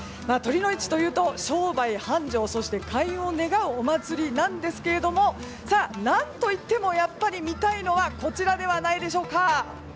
酉の市というと商売繁盛そして開運を願うお祭りなんですけど何といってもやっぱり見たいのはこちらではないでしょうか。